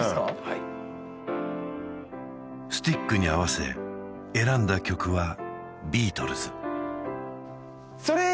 はいスティックに合わせ選んだ曲はビートルズ